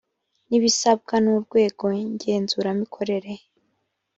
ni ibisabwa n’urwego ngenzuramikorere